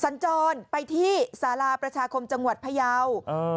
สัญจรไปที่สาราประชาคมจังหวัดพยาว